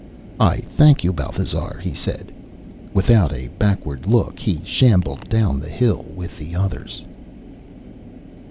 "I thank you, Bathazar," he said. Without a backward look he shambled down the hill with the others.